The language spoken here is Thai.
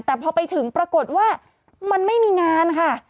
แต่พอไปถึงปรากฏว่ามันไม่มีงานค่ะ